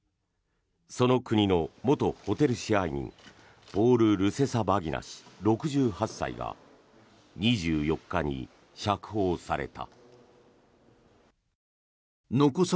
その国の元ホテル支配人ポール・ルセサバギナ氏６８歳が２４日に釈放された。